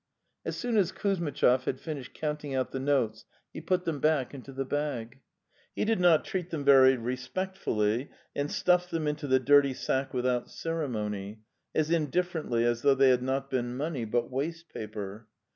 As soon as Kuzmitchov had finished counting out the notes he put them back into the bag. He did not treat them very respectfully and stuffed them into the dirty sack without ceremony, as indiffer ently as though they had not been money but waste paper.